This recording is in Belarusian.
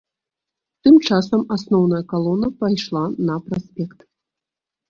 Тым часам асноўная калона пайшла на праспект.